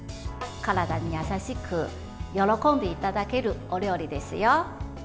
体に優しく喜んでいただけるお料理ですよ。